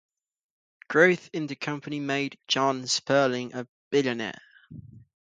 Growth in the company made John Sperling a billionaire.